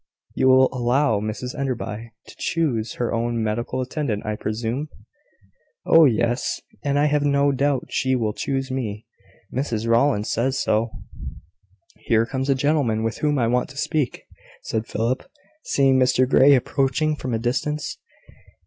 "You will allow Mrs Enderby to choose her own medical attendant, I presume?" "Oh, yes: and I have no doubt she will choose me. Mrs Rowland says so." "Here comes a gentleman with whom I want to speak," said Philip, seeing Mr Grey approaching from a distance.